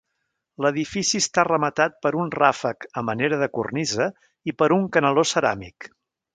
L'edifici està rematat per un ràfec a manera de cornisa i per un canaló ceràmic.